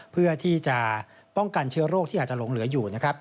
เพื่อที่จะป้องกันเชื้อโรคที่อาจจะหลงเหลืออยู่นะครับ